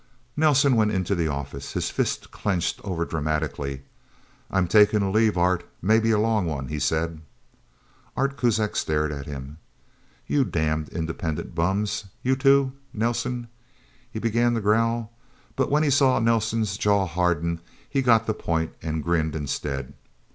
Nelsen went into the office, his fists clenched overdramatically. "I'm taking a leave, Art maybe a long one," he said. Art Kuzak stared at him. "You damned, independent bums you, too, Nelsen!" he began to growl. But when he saw Nelsen's jaw harden, he got the point, and grinned, instead.